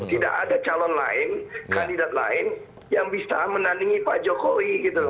tidak ada calon lain kandidat lain yang bisa menandingi pak jokowi gitu loh